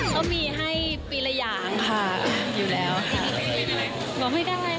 เขามีให้ปีละอย่างค่ะอยู่แล้วบอกไม่ได้ค่ะเป็นอะไร